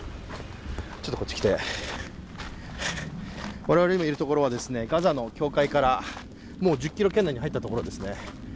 我々が今いるところはガザの境界からもう１０ｋｍ圏内に入ったところですね。